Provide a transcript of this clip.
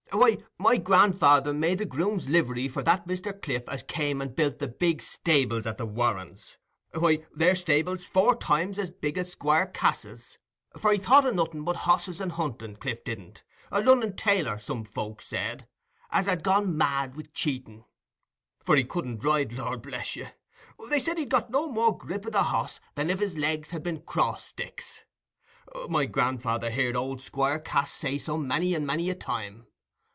"Why, my grandfather made the grooms' livery for that Mr. Cliff as came and built the big stables at the Warrens. Why, they're stables four times as big as Squire Cass's, for he thought o' nothing but hosses and hunting, Cliff didn't—a Lunnon tailor, some folks said, as had gone mad wi' cheating. For he couldn't ride; lor bless you! they said he'd got no more grip o' the hoss than if his legs had been cross sticks: my grandfather heared old Squire Cass say so many and many a time.